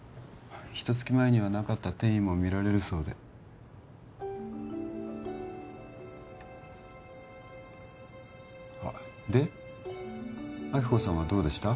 ひと月前にはなかった転移もみられるそうであっで亜希子さんはどうでした？